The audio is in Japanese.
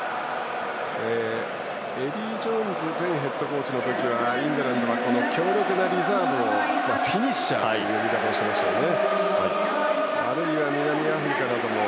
エディー・ジョーンズ前ヘッドコーチの時はイングランドは強力なリザーブをフィニッシャーという呼び方をしていましたよね。